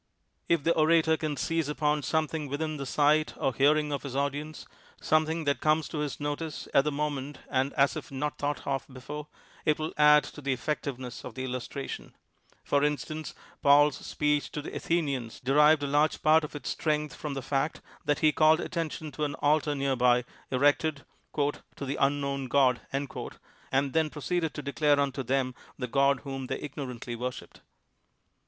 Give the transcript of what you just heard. If the orator can seize upon something within the sight or hearing of his audience — something that comes to his notice at the moment and as if not thought of before — it will add to the effect iveness of the illustration. For instance, Paul's speech to the Athenians derived a large j)art of its strength from the fact that he called atten tion to an altar near by, erected "to the Unknown God," and then proceeded to declare unto them the God whom they ignorantly worshiped.